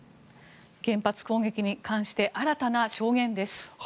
原発攻撃に関して新たな証言です。